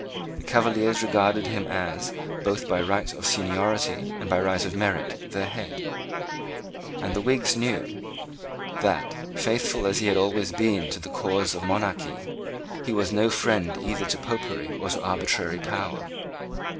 The Cavaliers regarded him as, both by right of seniority and by right of merit, their head; and the Whigs knew that, faithful as he had always been to the cause of monarchy, he was no friend either to Popery or to arbitrary power.